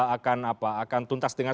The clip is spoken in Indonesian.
akan apa akan tuntas dengan